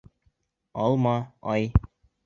Алма-ай.